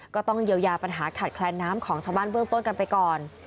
ก็ต้องเยียวยาปัญหาขาดแคลนน้ำของชาวบ้านเบื้องต้นกันไปก่อน